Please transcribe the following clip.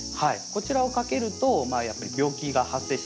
こちらをかけるとやっぱり病気が発生しにくい。